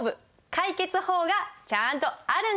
解決法がちゃんとあるんです。